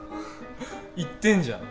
言ってんじゃん。